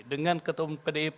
dengan ketua umum pdip